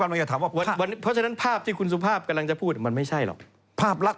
เพราะฉะนั้นภาพที่คุณสุภาพกำลังจะพูดมันไม่ใช่หรอก